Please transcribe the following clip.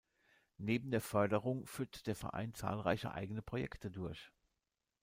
Neben der Förderung führt der Verein zahlreiche eigene Projekte durch.